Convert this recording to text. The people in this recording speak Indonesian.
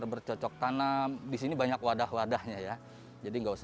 pengunjung kipuih pengubahan babrus